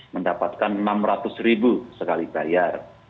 mendapatkan rp enam ratus ribu sekali bayar